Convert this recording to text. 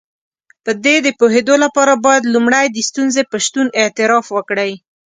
په دې د پوهېدو لپاره بايد لومړی د ستونزې په شتون اعتراف وکړئ.